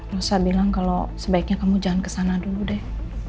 losa bilang kalau sebaiknya kamu jangan kesana dulu deh